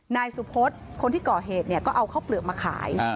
นายสุพธคนที่ก่อเหตุเนี่ยก็เอาข้าวเปลือกมาขาย